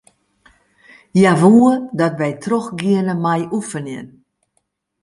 Hja woe dat wy trochgiene mei oefenjen.